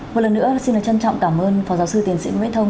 một lần nữa xin được trân trọng cảm ơn phó giáo sư tiến sĩ nguyễn thông